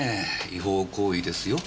違法行為ですよ。